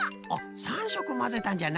３しょくまぜたんじゃな。